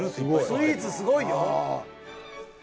スイーツすごいよ。